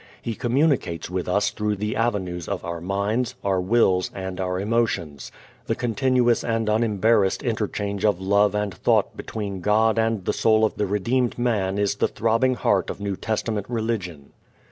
He communicates with us through the avenues of our minds, our wills and our emotions. The continuous and unembarrassed interchange of love and thought between God and the soul of the redeemed man is the throbbing heart of New Testament religion.